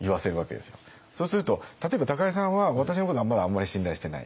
そうすると例えば高井さんは私のことはまだあんまり信頼してない。